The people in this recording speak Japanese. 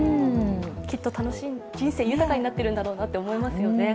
きっと人生、豊かになってるんだろうなと思いますよね。